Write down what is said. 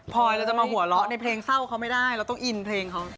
พอยเราจะมาหัวเราะในเพลงเศร้าเขาไม่ได้เราต้องอินเพลงเขา